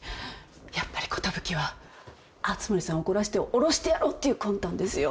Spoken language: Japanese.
やっぱり寿は熱護さんを怒らせて降ろしてやろうっていう魂胆ですよ。